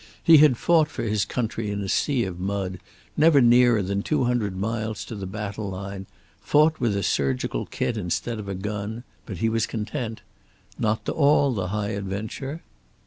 He had fought for his country in a sea of mud, never nearer than two hundred miles to the battle line, fought with a surgical kit instead of a gun, but he was content. Not to all the high adventure.